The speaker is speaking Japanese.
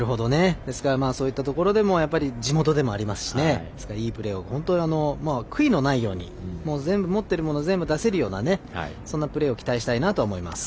ですからそういったところでも地元でもありますしいいプレーを悔いのないように持ってるもの全部出せるようなプレーを期待したいなと思います。